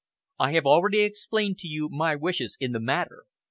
I have already explained to you my wishes in the matter.